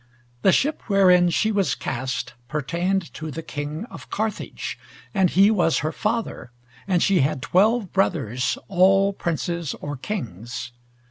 The ship wherein she was cast pertained to the King of Carthage, and he was her father, and she had twelve brothers, all princes or kings.